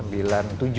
mbak desi masih masuk ya